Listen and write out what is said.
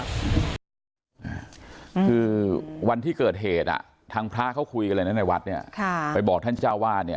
คือวันที่เกิดเหตุทางพระเขาคุยกันในวัดไปบอกท่านเจ้าว่า